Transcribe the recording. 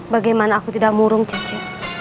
bagaimana aku tidak murung cici